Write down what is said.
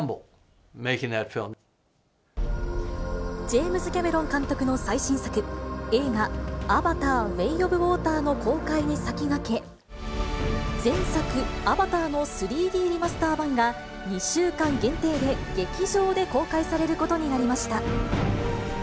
ジェームズ・キャメロン監督の最新作、映画、アバター：ウェイ・オブ・ウォーターの公開に先駆け、前作アバターの３Ｄリマスター版が、２週間限定で劇場で公開されることになりました。